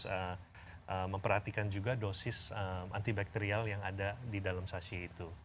kita harus memperhatikan juga dosis antibakterial yang ada di dalam sasi itu